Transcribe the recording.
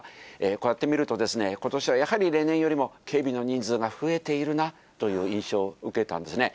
こうやって見ると、ことしはやはり例年よりも警備の人数が増えているなという印象を受けたんですね。